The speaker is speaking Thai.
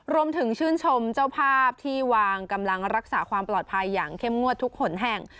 รวมถึงชื่นชมเจ้าภาพที่วางกำลังรักษาความปลอดภัยอย่างเข้มงวดทุกหนแห่ง